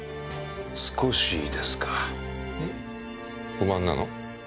不満なの？